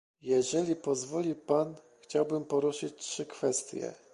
Jeżeli pozwoli pan, chciałbym poruszyć trzy kwestie